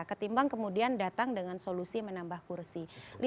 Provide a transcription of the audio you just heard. ketimbang kemudian datang dengan solusi menambah kursi